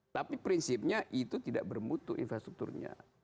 tapi prinsipnya itu tidak bermutu infrastrukturnya